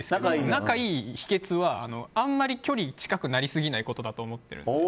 仲いい秘訣はあまり距離が近くなりすぎないことだと思っているので。